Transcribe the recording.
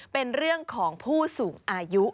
เป็นเรื่องของผู้สูงอายุ